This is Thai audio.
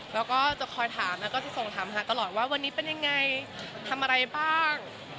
แล้วก็จะคอยถามแล้วก็จะส่งถามหาตลอดว่าวันนี้เป็นยังไงทำอะไรบ้าง